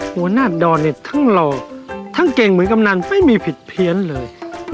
หัวหน้าดอนเนี่ยทั้งหล่อทั้งเก่งเหมือนกำนันไม่มีผิดเพี้ยนเลย